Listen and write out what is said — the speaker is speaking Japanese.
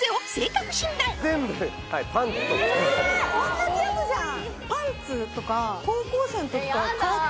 ・同じやつじゃん！